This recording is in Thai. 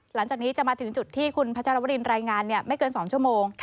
หลังจากนี้จะมาถึงจุดที่คุณพัชรวรินรายงานไม่เกิน๒ชั่วโมง